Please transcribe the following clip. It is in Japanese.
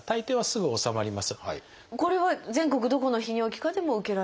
これは全国どこの泌尿器科でも受けられる？